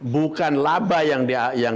bukan laba yang